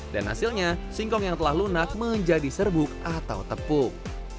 dan hasilnya singkong yang telah lunak menjadi serbuk atau tepung